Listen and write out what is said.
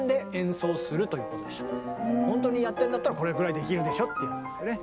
これをほんとにやってんだったらこれぐらいできるでしょっていうやつですよね。